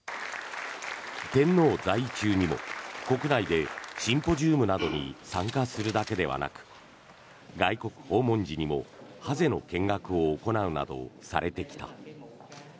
天皇在位中にも国内でシンポジウムなどに参加するだけではなく外国訪問時にもハゼの見学を行うなどされてきた。